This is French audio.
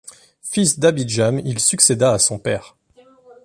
Fils d'Abijam, il succéda à son père.